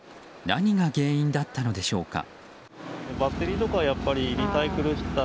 何が原因だったのでしょうか。